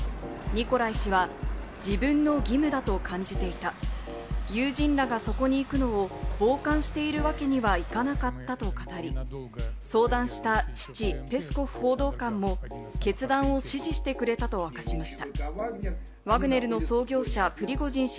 ニコライ氏は、自分の義務だと感じていた、友人らがそこに行くのを傍観しているわけにはいかなかったと語り、相談した父・ペスコフ報道官も決断を支持してくれたと明かしました。